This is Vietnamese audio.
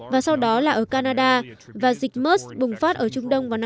và sau đó là ở canada và dịch mers bùng phát ở trung đông vào năm hai nghìn hai